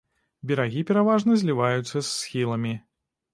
Берагі пераважна зліваюцца з схіламі.